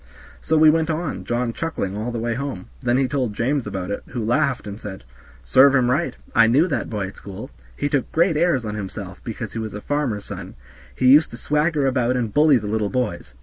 So we went on, John chuckling all the way home; then he told James about it, who laughed and said, "Serve him right. I knew that boy at school; he took great airs on himself because he was a farmer's son; he used to swagger about and bully the little boys.